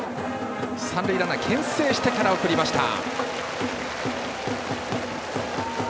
三塁ランナーをけん制してから送りました。